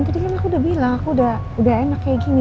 tadi kan aku udah bilang aku udah enak kayak gini